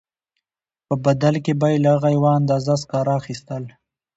په بدل کې به یې له هغه یوه اندازه سکاره اخیستل